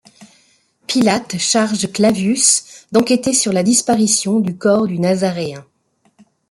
Pilate charge Clavius d'enquêter sur la disparition du corps du Nazaréen.